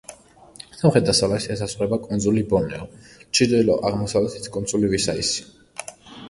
სამხრეთ-დასავლეთით ესაზღვრება კუნძული ბორნეო, ჩრდილო-აღმოსავლეთით კუნძული ვისაიასი.